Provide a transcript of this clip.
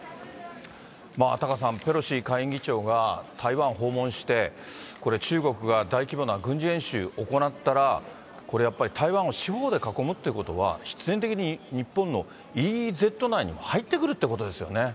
タカさん、ペロシ下院議長が台湾訪問して、これ、中国が大規模な軍事演習、行ったら、これ、やっぱり台湾を四方で囲むということは、必然的に日本のＥＥＺ内に入ってくるっていうことですよね。